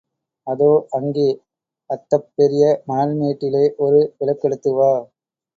அதோ அங்கே, அத்தப் பெரிய மணல் மேட்டிலே! ஒரு விளக்கெடுத்துவா.